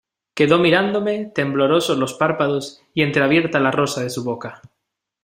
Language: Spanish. quedó mirándome, temblorosos los párpados y entreabierta la rosa de su boca.